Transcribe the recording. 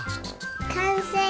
かんせい！